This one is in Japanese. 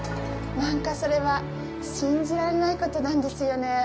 なんか、それは信じられないことなんですよね。